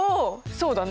そうだね。